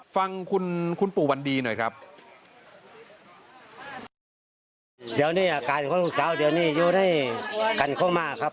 ฟังคุณปู่วันดีหน่อยครับ